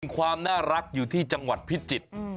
ความน่ารักอยู่ที่จังหวัดพิจิตร